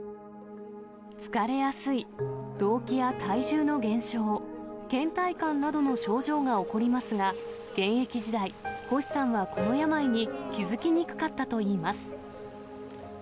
疲れやすい、どうきや体重の減少、けん怠感などの症状が起こりますが、現役時代、星さんはこの病に気付きにくかったといいます。